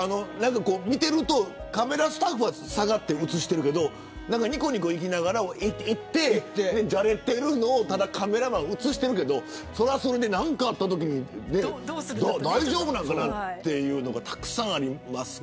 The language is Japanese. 見ているとカメラスタッフは下がって映しているけどにこにこしながら行ってじゃれているのをカメラマンは映しているけど何かあったときに大丈夫なのかなというのがたくさんありました。